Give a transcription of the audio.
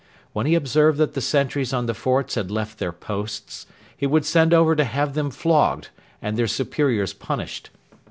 When he observed that the sentries on the forts had left their posts, he would send over to have them flogged and their superiors punished.